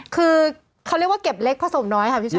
คือเขาเรียกว่าเก็บเล็กผสมน้อยค่ะพี่ชุ